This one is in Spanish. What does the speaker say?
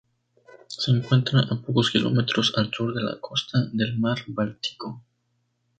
Se encuentra a pocos kilómetros al sur de la costa del mar Báltico.